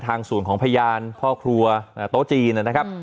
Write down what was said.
ศูนย์ของพยานพ่อครัวโต๊ะจีนนะครับ